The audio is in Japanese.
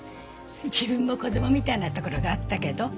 自分も子供みたいなところがあったけど。